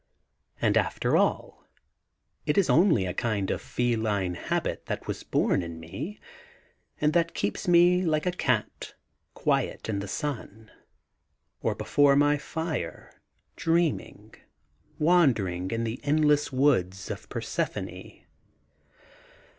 ... And after all, it is only a kind of feline habit that was bom in me, and that keeps me, like a cat, quiet in the sun, or before my fire, dreaming, wandering in the endless woods of Persephone.